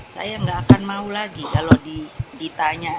saya nggak akan mau lagi kalau ditanya